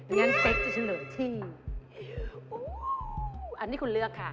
งั้นเป๊กจะเฉลยที่อันที่คุณเลือกค่ะ